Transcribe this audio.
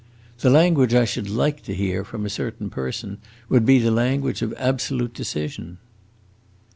The language I should like to hear, from a certain person, would be the language of absolute decision."